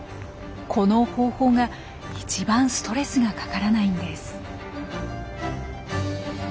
この方法が一番ストレスがかからないんです。